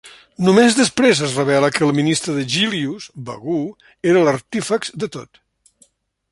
Només després es revela que el ministre de Jillius, Bagoo, era l'artífex de tot.